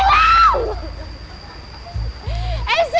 anh long anh long